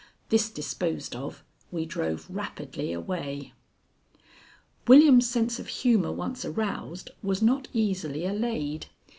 This disposed of, we drove rapidly away. William's sense of humor once aroused was not easily allayed.